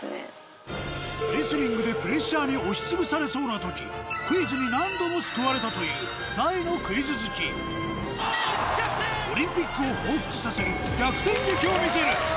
レスリングでプレッシャーに押しつぶされそうな時何度もオリンピックをほうふつとさせる逆転劇を見せる！